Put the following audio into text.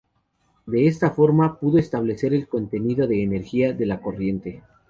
De esta forma pudo establecer el contenido de energía de la corriente".